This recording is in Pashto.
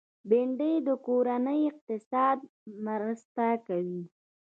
بېنډۍ د کورني اقتصاد مرسته کوي